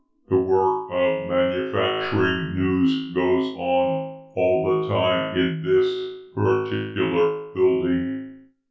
The work of manufacturing news goes on all the time in this particular building.